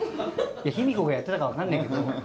卑弥呼がやってたか分かんないけど。